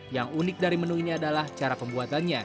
yang unik dari menu ini adalah cara pembuatannya